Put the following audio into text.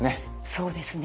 そうですね。